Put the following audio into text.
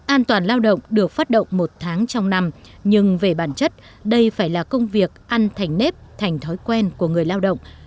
an toàn lao động được phát động một tháng trong năm nhưng về bản chất đây phải là công việc ăn thành nếp thành thói quen của người lao động